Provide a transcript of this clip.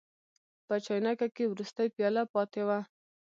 په چاینکه کې وروستۍ پیاله پاتې وه.